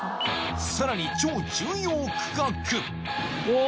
さらに超重要区画うわ！